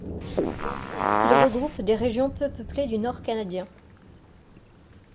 Ils regroupent des régions peu peuplées du Nord canadien.